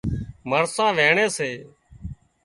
مرسان وينڻي سي